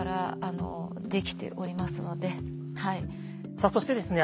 さあそしてですね